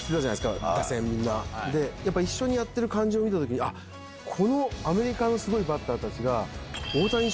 一緒にやってる感じを見た時にこのアメリカのすごいバッターたちが。